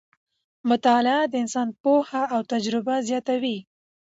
مطالعه د انسان پوهه او تجربه زیاتوي